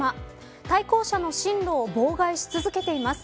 対向車の進路を妨害をし続けています。